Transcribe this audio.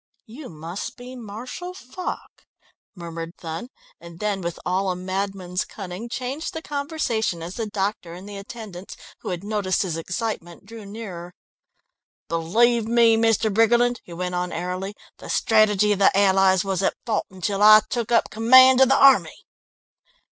"You must be Marshal Foch," murmured Thun, and then with all a madman's cunning, changed the conversation as the doctor and attendants, who had noticed his excitement, drew nearer. "Believe me, Mr. Briggerland," he went on airily, "the strategy of the Allies was at fault until I took up the command of the army...."